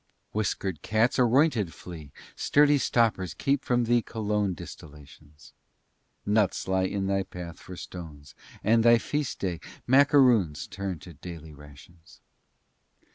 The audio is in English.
XVIII Whiskered cats aroynted flee, Sturdy stoppers keep from thee Cologne distillations; Nuts lie in thy path for stones, And thy feast day macaroons Turn to daily rations!